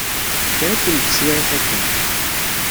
Kra akken n teswiɛt akken.